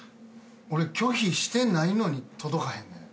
俺拒否してないのに届かへんねん。